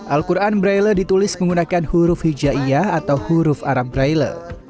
al quran braille ditulis menggunakan huruf hijaiyah atau huruf arab braille